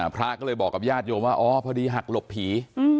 พระก็เลยบอกกับญาติโยมว่าอ๋อพอดีหักหลบผี